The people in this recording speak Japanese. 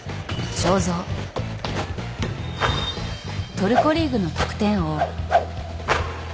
トルコリーグの得点王。